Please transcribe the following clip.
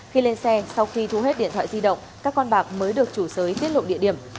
khi lên xe sau khi thu hết điện thoại di động các con bạc mới được chủ giới tiết lộ địa điểm